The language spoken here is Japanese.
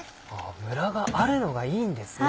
ムラがあるのがいいんですね？